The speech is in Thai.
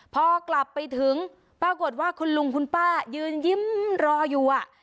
พอกลับไปถึงปรากฏว่าคุณลุงคุณป้ายืนยิ้มรออยู่อ่ะ